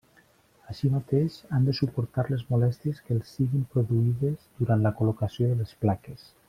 Així mateix, han de suportar les molèsties que els siguin produïdes durant la col·locació de les plaques.